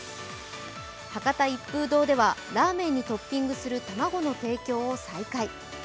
博多一風堂ではラーメンにトッピングする卵の提供を再開。